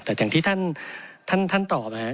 แต่อย่างที่ท่านตอบนะครับ